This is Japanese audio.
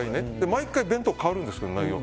毎回弁当変わるんです。